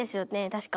確か。